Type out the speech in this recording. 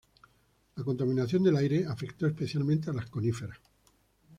La contaminación del aire afectó especialmente a las coníferas.